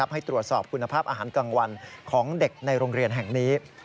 ให้ตรวจสอบคุณภาพอาหารกลางวันของเด็กในโรงเรียนแห่งนี้